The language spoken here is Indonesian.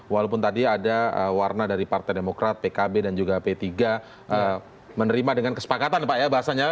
walaupun tadi ada warna dari partai demokrat pkb dan juga p tiga menerima dengan kesepakatan pak ya bahasanya